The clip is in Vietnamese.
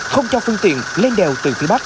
không cho phương tiện lên đèo từ phía bắc